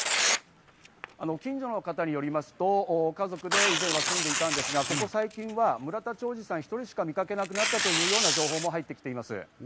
近所の方によりますと家族で以前は住んでいたんですが、最近は村田兆治さん１人しか見かけなくなったという情報も入ってきています。